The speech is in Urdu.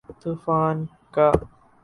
تو قانون کا۔